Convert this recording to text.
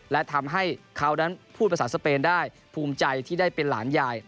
และทำให้เขานั้นพูดภาษาสเปนได้ภูมิใจที่ได้เป็นหลานยาย